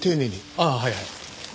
ああはいはい。